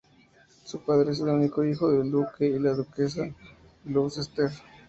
Su padre es el único hijo del duque y la duquesa de Gloucester.